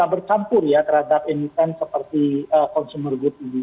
agak bercampur ya terhadap event seperti consumer good ini